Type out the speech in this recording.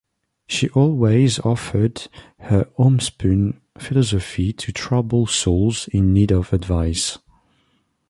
She always offered her homespun philosophy to troubled souls in need of advice.